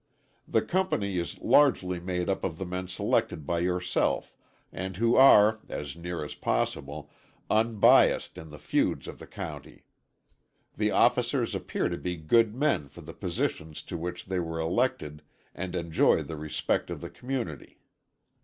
The company is largely made up of the men selected by yourself, and who are, as near as possible, unbiased in the feuds of the county. The officers appear to be good men for the positions to which they were elected, and enjoy the respect of the community.